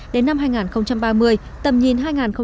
đến năm hai nghìn ba mươi tầm nhìn